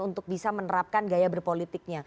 untuk bisa menerapkan gaya berpolitiknya